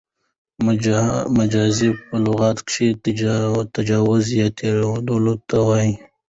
مجاز په لغت کښي تجاوز یا تېرېدلو ته وايي.